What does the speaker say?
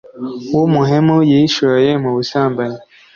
w umuhemu yishoye mu busambanyi